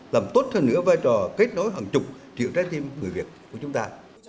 làm tốt hơn nữa vai trò kết nối hàng chục triệu trái tim người việt của chúng ta